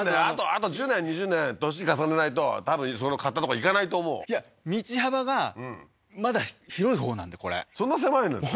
あと１０年や２０年年重ねないと多分買ったとこ行かないと思ういや道幅がまだ広いほうなんでこれそんな狭いんですか？